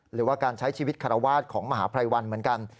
หรือว่าการใช้ชีวิตคารวาสของมหาภัยวันเหมือนกัน